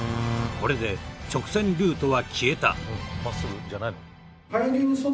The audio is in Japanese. これで直線ルートは消えた。